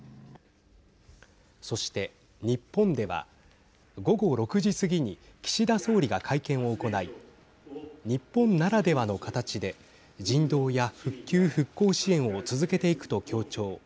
そして日本では午後６時過ぎに岸田総理が会見を行い日本ならではの形で人道や復旧・復興支援を続けていくと強調。